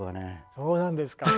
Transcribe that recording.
そうなんですか。